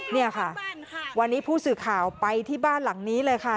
นี่ค่ะวันนี้ผู้สื่อข่าวไปที่บ้านหลังนี้เลยค่ะ